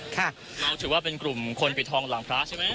เราถือว่าเป็นกลุ่มคนปิดทองหลังพระใช่ไหม